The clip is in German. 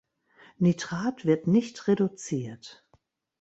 Nitrat wird nicht reduziert.